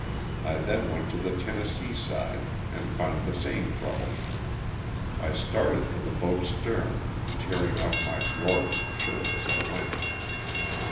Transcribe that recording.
I then went to the Tennessee side and found the same trouble. I started for the boat's stern, tearing off my drawers and shirt as I went.